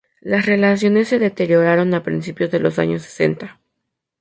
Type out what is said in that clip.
Las relaciones se deterioraron a principios de los años sesenta.